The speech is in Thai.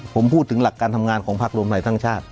ผมพูดถึงหลักการทำงานของพักรวมไทยสร้างชาติ